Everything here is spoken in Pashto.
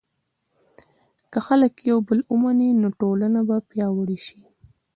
که خلک یو بل ومني، نو ټولنه به پیاوړې شي.